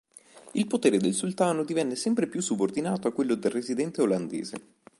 Il potere del sultano divenne sempre più subordinato a quello del residente olandese.